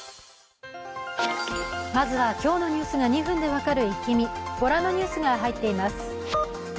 まずは今日のニュースが２分で分かるイッキ見ご覧のニュースが入っています。